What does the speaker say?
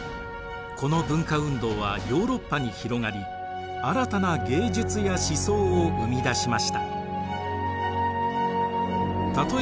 この文化運動はヨーロッパに広がり新たな芸術や思想を生み出しました。